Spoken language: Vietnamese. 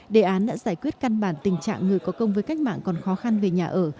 đề án đã giải quyết căn bản tình trạng người có công với cách mạng còn khó khăn về nhà ở